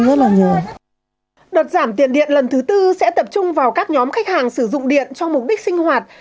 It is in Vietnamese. đợt giảm tiền điện lần thứ tư sẽ tập trung vào các nhóm khách hàng sử dụng điện cho mục đích sinh hoạt